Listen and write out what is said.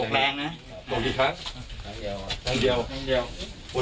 นั่งเดียว